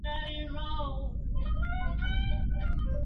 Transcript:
Clair intervino en dos filmes dirigidos por su esposo.